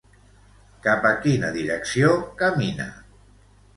Cap a quina direcció camina?